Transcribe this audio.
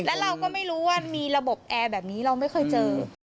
แล้วเราก็ไม่รู้ว่ามีระบบแอร์แบบนี้เราไม่เคยเจอ